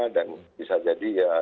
dan bisa jadi ya